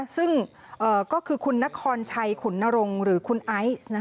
ซึ่งก็คือคุณนครชัยขุนนรงค์หรือคุณไอซ์